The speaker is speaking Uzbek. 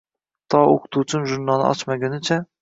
To o`qituvchim jurnalni ochgunicha